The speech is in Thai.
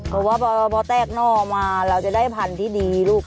เพราะว่าพอแตกหน่อมาเราจะได้พันธุ์ที่ดีลูก